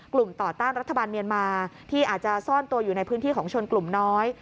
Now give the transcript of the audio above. ต่อต้านรัฐบาลเมียนมาที่อาจจะซ่อนตัวอยู่ในพื้นที่ของชนกลุ่มน้อย